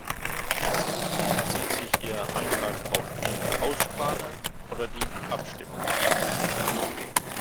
Bezieht sich Ihr Antrag auf die Aussprache oder die Abstimmung?